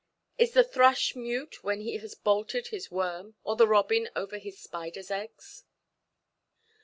Is the thrush mute when he has bolted his worm, or the robin over his spiderʼs eggs?